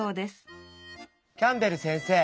キャンベル先生。